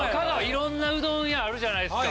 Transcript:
いろんなうどん屋あるじゃないですか。